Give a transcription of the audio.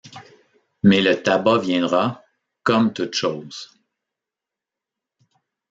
Mais le tabac viendra, comme toutes choses !